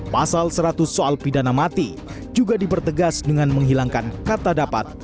pasal seratus soal pidana mati juga dipertegas dengan menghilangkan kata dapat